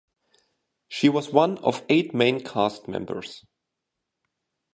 She was one of eight main cast members.